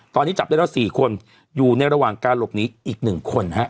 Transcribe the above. ตอนนี้จับได้ว่าสี่คนยูเนี้ยระหว่างการรบหนีอีกหนึ่งคนฮะ